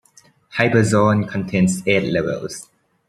"HyperZone" contains eight levels.